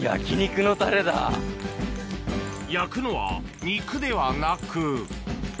焼くのは肉ではなく。